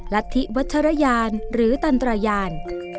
รัฐธิวัชรยานหรือตันตรายาน